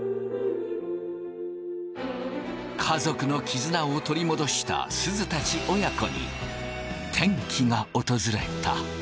家族の絆を取り戻したすずたち親子に転機が訪れた。